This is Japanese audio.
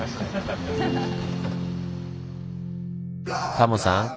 タモさん